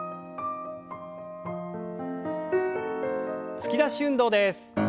突き出し運動です。